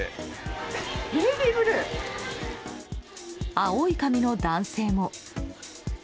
青い髪の男性も。